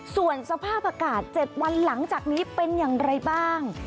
ส่วนสภาพอากาศ๗วันหลังจากนี้เป็นอย่างไรบ้าง